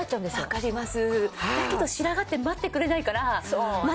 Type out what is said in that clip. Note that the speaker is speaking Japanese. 分かります！